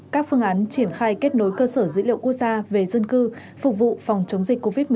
các phương án triển khai kết nối cơ sở dữ liệu quốc gia về dân cư phục vụ phòng chống dịch covid một mươi chín